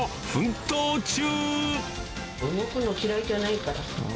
動くの嫌いじゃないからさ。